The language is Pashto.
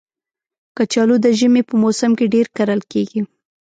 کچالو د ژمي په موسم کې ډېر کرل کېږي